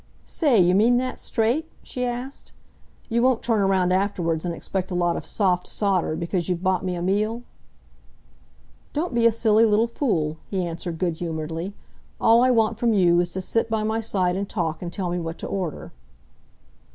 "Say, you mean that straight?" she asked. "You won't turn around afterwards and expect a lot of soft sawder because you've bought me a meal?" "Don't be a silly little fool," he answered good humouredly. "All I want from you is to sit by my side and talk, and tell me what to order."